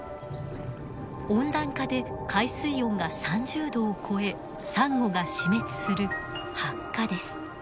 温暖化で海水温が３０℃を超えサンゴが死滅する白化です。